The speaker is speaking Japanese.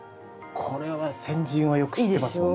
これは先人はよく知ってますもんね。